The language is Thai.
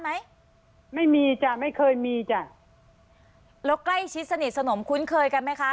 ไหมไม่มีจ้ะไม่เคยมีจ้ะแล้วใกล้ชิดสนิทสนมคุ้นเคยกันไหมคะ